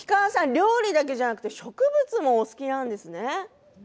料理だけではなく植物もお好きなんですね。